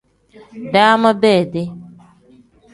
Daama bedi.